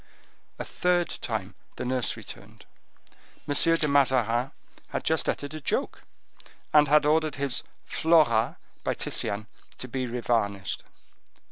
A third time the nurse returned. M. de Mazarin had just uttered a joke, and had ordered his "Flora," by Titian, to be revarnished.